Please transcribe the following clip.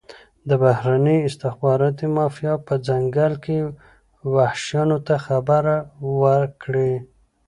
د بهرني استخباراتي مافیا په ځنګل کې وحشیانو ته خبره وکړي.